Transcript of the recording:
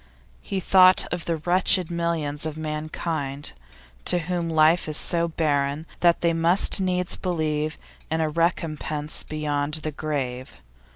He thought of the wretched millions of mankind to whom life is so barren that they must needs believe in a recompense beyond the grave.